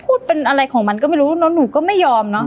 พูดเป็นอะไรของมันก็ไม่รู้แล้วหนูก็ไม่ยอมเนอะ